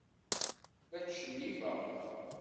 La tcennifeɣ.